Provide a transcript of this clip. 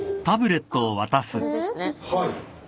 あっこれですね。